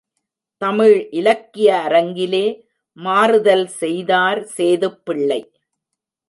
தமிழ் இலக்கிய அரங்கிலே மாறுதல் செய்தார் சேதுப்பிள்ளை.